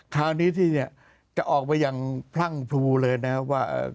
คราวนี้ที่เนี่ยจะออกมาอย่างพรั่งพลูเลยนะครับว่า